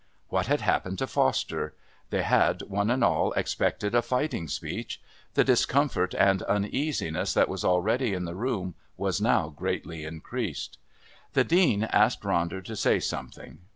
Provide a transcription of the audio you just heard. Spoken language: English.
What had happened to Foster? They had, one and all, expected a fighting speech. The discomfort and uneasiness that was already in the room was now greatly increased. The Dean asked Ronder to say something.